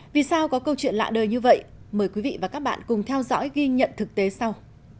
vì sao có câu chuyện lạ đời như vậy mời quý vị và các bạn cùng theo dõi ghi nhận thực tế sau